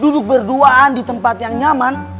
duduk berduaan di tempat yang nyaman